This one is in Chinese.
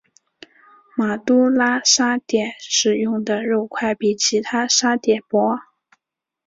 马都拉沙嗲使用的肉块比其他沙嗲薄。